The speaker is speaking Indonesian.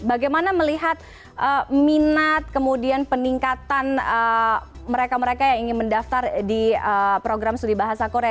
bagaimana melihat minat kemudian peningkatan mereka mereka yang ingin mendaftar di program studi bahasa korea